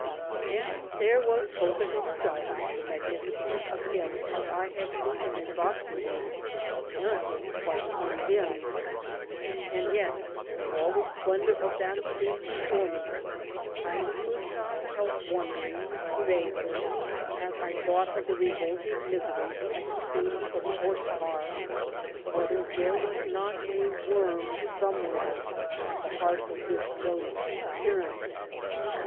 And there was Couza himself, the magnificence of him as I had seen him in Vaslui apparently quite undimmed. And yet, with all the splendor of that scene before me, I could not help wondering, vaguely, as I thought of the revolting misery I had seen from the horse car, whether there was not a worm somewhere at the heart of this brilliant appearance.